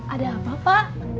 ada apa pak